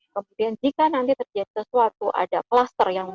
kemudian jika nanti terjadi sesuatu ada kluster yang